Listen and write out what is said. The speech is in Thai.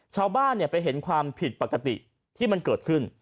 ชาวบ้านไปเห็นความผิดปกติที่มันเกิดขึ้น